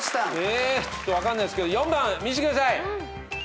え分かんないっすけど４番見してください。